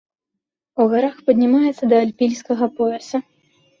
У гарах паднімаецца да альпійскага пояса.